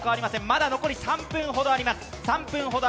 まだ残り３分ほどあります。